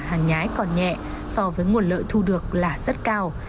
hàng nhái còn nhẹ so với nguồn lợi thu được là rất cao